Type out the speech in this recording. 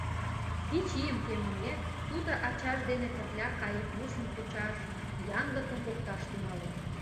Вич ийым темымек, тудо ачаж дене пырля кайыквусым кучаш, янлыкым покташ тӱҥалын.